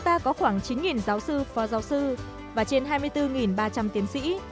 theo con số thống kê hiện nay chúng ta có khoảng chín giáo sư phó giáo sư và trên hai mươi bốn ba trăm linh tiến sĩ